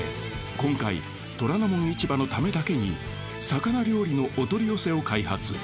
今回『虎ノ門市場』のためだけに魚料理のお取り寄せを開発。